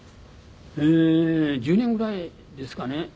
ええー１０年ぐらいですかね。